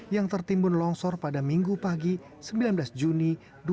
yang tertimbun longsor pada minggu pagi sembilan belas juni dua ribu dua puluh